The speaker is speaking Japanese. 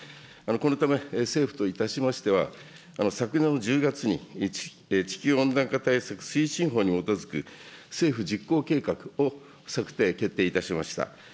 このため、政府といたしましては、昨年の１０月に地球温暖化対策推進法に基づく政府実行計画を策定、決定いたしました。